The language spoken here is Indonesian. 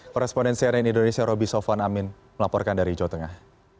korespondensi ann indonesia roby sofwan amin melaporkan dari jawa tengah